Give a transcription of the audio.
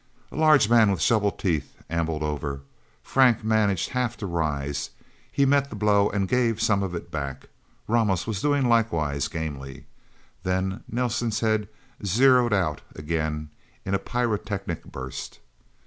A large man with shovel teeth ambled over. Frank managed half to rise. He met the blow and gave some of it back. Ramos was doing likewise, gamely. Then Nelsen's head zeroed out again in a pyrotechnic burst...